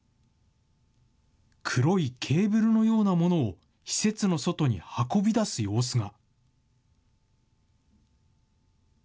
黒いケーブルのようなものを施設の外に運び出す様子が。